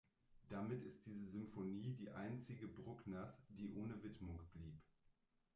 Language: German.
Damit ist diese Symphonie die einzige Bruckners, die ohne Widmung blieb.